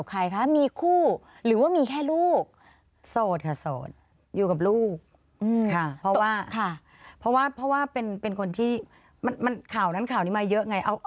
ค่ะเพราะว่าเป็นคนที่ข่าวนั้นข่าวนี้มาเยอะไง